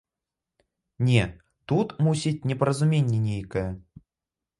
Не, тут, мусіць, непаразуменне нейкае.